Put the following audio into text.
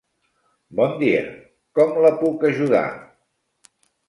Bon dia, com la puc ajudar?